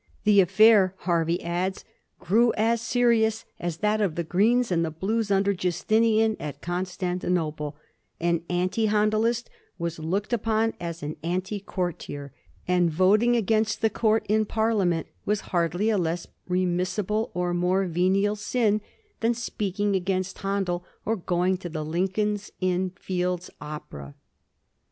" The affair," Hervey adds, ^' grew as serious as that of the Oreens and the Blues under Justinian at Constantinople; an anti Handelist was looked upon as an anti courtier, and vot ing against the Court in Parliament was hardly a less re missible or more venial sin than speaking against Handel or going to the Lincoln's Inn Fields Opera."